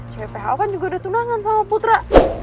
cwpho kan juga ada tunangan sama putra